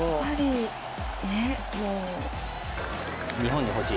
日本に欲しい？